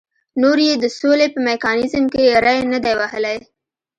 نور یې د سولې په میکانیزم کې ری نه دی وهلی.